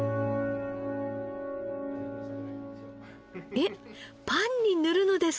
えっパンに塗るのですか？